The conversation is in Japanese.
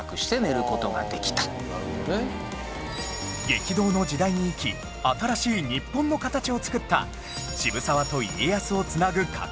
激動の時代に生き新しい日本の形を作った渋沢と家康を繋ぐ掛け軸